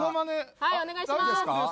はいお願いします